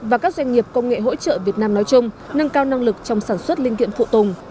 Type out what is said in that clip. và các doanh nghiệp công nghệ hỗ trợ việt nam nói chung nâng cao năng lực trong sản xuất linh kiện phụ tùng